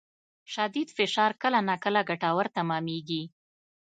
شدید فشار کله ناکله ګټور تمامېږي.